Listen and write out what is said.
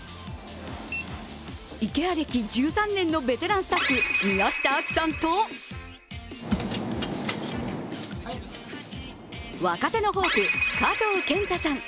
ＩＫＥＡ歴１３年のベテランスタッフ、宮下亜紀さんと若手のホープ・加藤健太さん。